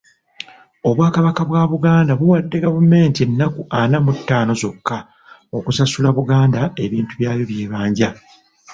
Obwakabaka bwa Buganda buwadde gavumenti ennaku ana mu ttaano zokka okusasula Buganda ebintu byayo by'ebanja.